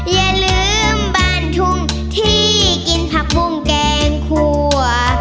อย่าลืมบ้านทุ่งที่กินผักบุ้งแกงครัว